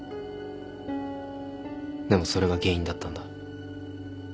でもそれが原因だったんだ。